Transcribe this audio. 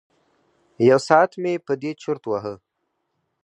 یو ساعت مې په دې چرت وهه.